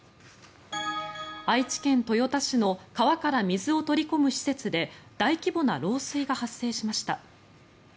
愛知県豊田市の川から水を取り込む施設で大規模な漏水が発生しました。